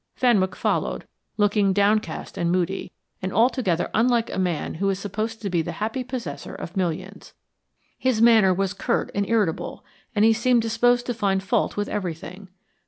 Fenwick followed, looking downcast and moody, and altogether unlike a man who is supposed to be the happy possessor of millions. His manner was curt and irritable, and he seemed disposed to find fault with everything.